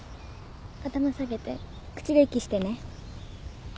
頭下げて口で息してね。